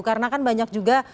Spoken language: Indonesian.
karena kan banyak juga